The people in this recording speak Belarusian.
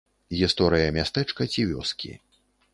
Гісторыя мястэчка ці вёскі.